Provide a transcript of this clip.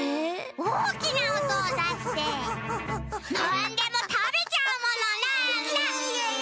おおきなおとをだしてなんでもたべちゃうものなんだ？